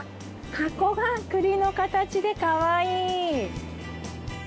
箱がくりの形でかわいい。